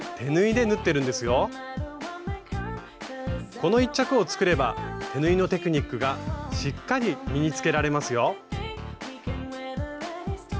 この一着を作れば手縫いのテクニックがしっかり身につけられますよ！